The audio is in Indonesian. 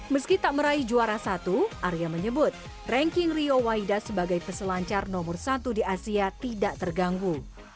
meski tak meraih juara satu arya menyebut ranking rio waida sebagai peselancar nomor satu di asia tidak terganggu